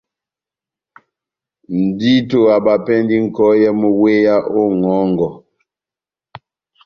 Ndito abapɛndi nʼkɔyɛ mú wéya ó ŋʼhɔngɔ.